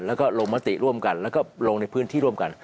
แล้วก็ลงมติร่วมกันแล้วก็ลงในพื้นที่ร่วมกัน